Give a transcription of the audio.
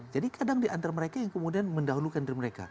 jadi kadang diantar mereka yang kemudian mendahulukan diri mereka